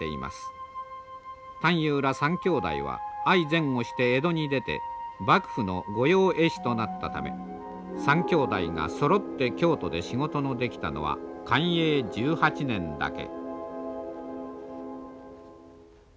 探幽ら３兄弟は相前後して江戸に出て幕府の御用絵師となったため３兄弟がそろって京都で仕事のできたのは寛永１８年だけ。